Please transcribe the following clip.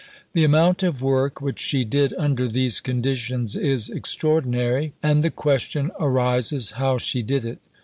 The amount of work which she did under these conditions is extraordinary, and the question arises how she did it.